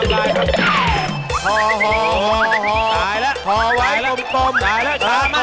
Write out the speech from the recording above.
อบตถ้อไหว